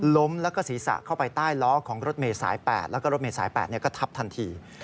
ล้มแล้วก็ศีรษะเข้าไปใต้ล้อของรถเมย์สาย๘แล้วก็รถเมยสาย๘ก็ทับทันที